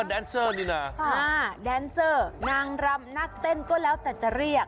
แดนเซอร์นี่นะแดนเซอร์นางรำนักเต้นก็แล้วแต่จะเรียก